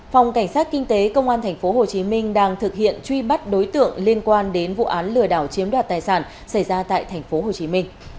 phòng cảnh sát kinh tế công an tp hcm đang thực hiện truy bắt đối tượng liên quan đến vụ án lừa đảo chiếm đoạt tài sản xảy ra tại tp hcm